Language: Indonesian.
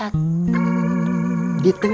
gak pake h di belakang